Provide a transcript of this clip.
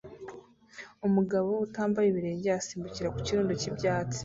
Umugabo utambaye ibirenge asimbukira mu kirundo cy'ibyatsi